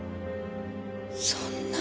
そんな。